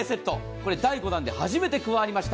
これ第５弾で初めて加わりました。